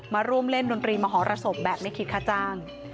มาร่วมเล่นดนตรีมหรสบแบบไม่คิดค่าจ้าง